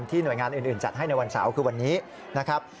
หน่วยงานอื่นจัดให้ในวันเสาร์คือวันนี้นะครับ